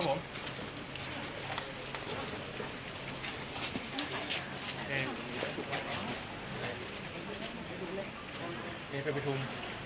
ยังมีหลายคนครับครับผม